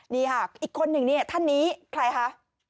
นี่ค่ะอีกคนหนึ่งนี่ท่านนี้ใครคะ